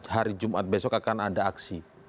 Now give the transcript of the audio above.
hari jumat besok akan ada aksi